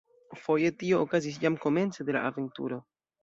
Foje tio okazis jam komence de la aventuro.